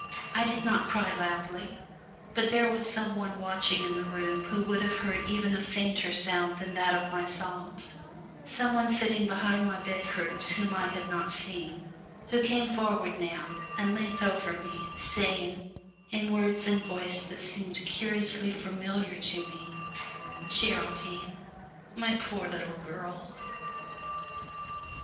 I did not cry loudly. But there was some one watching in the room who would have heard even a fainter sound than that of my sobs some one sitting behind my bed curtains whom I had not seen, who came forward now and leant over me, saying, in words and voice which seemed curiously familiar to me, "Geraldine, my poor little girl."